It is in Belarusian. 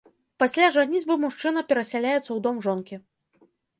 Пасля жаніцьбы мужчына перасяляецца ў дом жонкі.